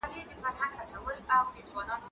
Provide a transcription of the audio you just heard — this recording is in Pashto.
زه اوس د کتابتوننۍ سره خبري کوم،